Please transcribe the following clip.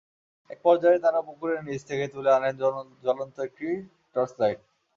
একপর্যায়ে তাঁরা পুকুরের নিচ থেকে তুলে আনেন জ্বলন্ত একটি টর্চ লাইট।